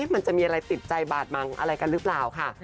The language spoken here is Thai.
มันจะมีอะไรติดใจบาดมังอะไรกันหรือเปล่าค่ะ